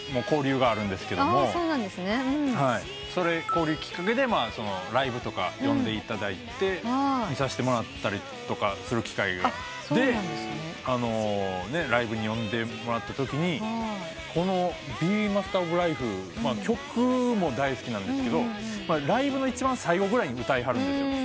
交流きっかけでライブとか呼んでいただいて見させてもらったりとかする機会が。でライブに呼んでもらったときこの『ｂｅｍａｓｔｅｒｏｆｌｉｆｅ』曲も大好きなんですけどライブの一番最後ぐらいに歌いはるんですよ。